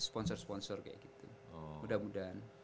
sponsor sponsor kayak gitu mudah mudahan